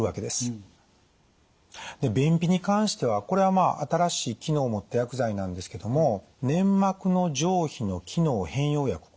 で便秘に関してはこれはまあ新しい機能を持った薬剤なんですけども粘膜の上皮の機能変容薬。